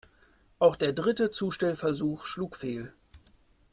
Auch der dritte Zustellungsversuch schlug fehl.